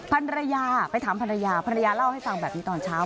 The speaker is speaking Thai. ภรรยาไปถามภรรยาภรรยาเล่าให้ฟังแบบนี้ตอนเช้า